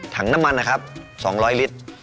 ถังน้ำมันนะครับ๒๐๐ลิตร